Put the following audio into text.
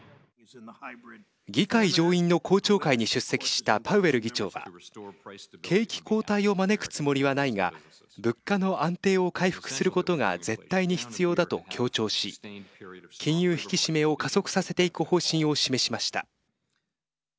議会上院の公聴会に出席したパウエル議長は景気後退を招くつもりはないが物価の安定を回復することが絶対に必要だと強調し金融引き締めを加速させていく方針を示しました。